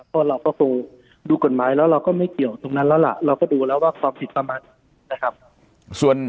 เพราะเราก็คงดูกฎหมายแล้วเราก็ไม่เกี่ยวตรงนั้นแล้วล่ะเราก็ดูแล้วว่าความผิดประมาณนะครับ